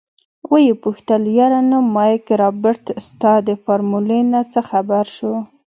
ويې پوښتل يره نو مايک رابرټ ستا د فارمولې نه څه خبر شو.